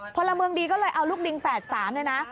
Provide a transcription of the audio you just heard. พอละเมืองดีก็เลยเอารูกลิงแฝดสามด้วยนะ